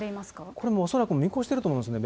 これはもう恐らく見越していると思いますね。